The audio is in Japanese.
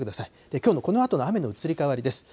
きょうのこのあとの雨の移り変わりです。